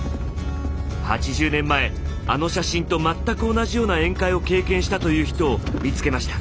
８０年前あの写真と全く同じような宴会を経験したという人を見つけました。